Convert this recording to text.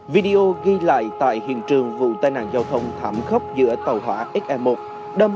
video ghi lại tại hiện trường vụ tai nạn giao thông thảm khốc giữa tàu hỏa xe một